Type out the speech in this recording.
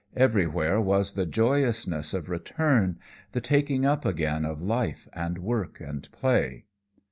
Everywhere was the joyousness of return, the taking up again of life and work and play.